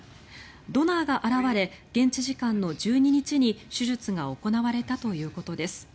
ドナーが現れ現地時間の１２日に手術が行われたということです。